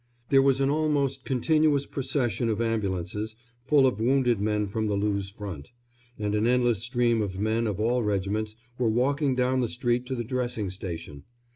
There was an almost continuous procession of ambulances, full of wounded men from the Loos front; and an endless stream of men of all regiments were walking down the street to the dressing station.